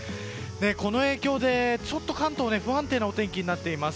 この影響でちょっと関東不安定なお天気となっています。